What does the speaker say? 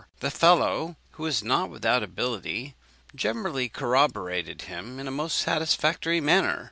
The fellow, who was not without ability, generally corroborated him in a most satisfactory manner.